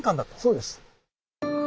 そうです。